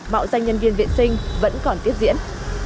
mạo danh nhân viên viện sinh vẫn còn tiếp diễn